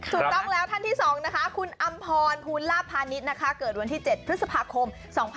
ถูกต้องแล้วท่านที่สองนะคะคุณอัมพรภูนิราภานิตเกิดวันที่๗พฤษภาคม๒๕๒๐